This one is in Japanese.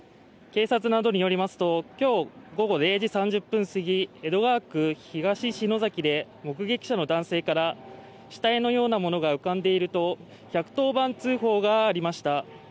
警察などによりますと今日午後０時３０分すぎ、江戸川区東篠崎で目撃者の男性から死体のようなものが浮かんでいると１１０番通報がありました。